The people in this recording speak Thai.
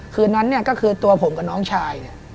คืนนั้นเนี่ยก็คือตัวผมกับน้องชายเนี่ย